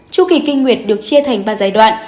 chu kỳ kinh nguyệt được chia thành ba giai đoạn